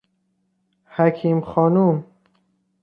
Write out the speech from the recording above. حکیم خانم